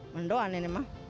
mendoan ini mah